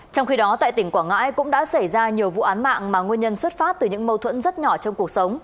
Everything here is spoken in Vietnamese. trong khi đó tại tỉnh quảng ngãi cũng đã xảy ra nhiều vụ án mạng mà nguyên nhân xuất phát từ những mâu thuẫn rất nhỏ trong cuộc sống